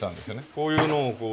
こういうのをこう。